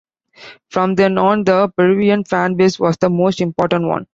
From then on, the Peruvian fanbase was the most important one.